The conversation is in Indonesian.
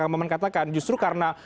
bang maman katakan justru karena